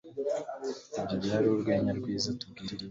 Ibyo byari urwenya rwiza Tubwire irindi